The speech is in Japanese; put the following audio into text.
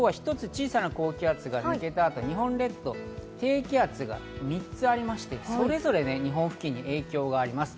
小さな高気圧が抜けたあと、日本列島に低気圧が３つありまして、それぞれ日本付近に影響があります。